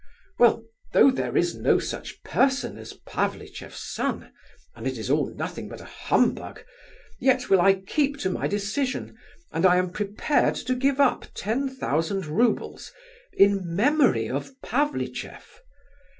Well, though there is no such person as 'Pavlicheff's son,' and it is all nothing but a humbug, yet I will keep to my decision, and I am prepared to give up ten thousand roubles in memory of Pavlicheff.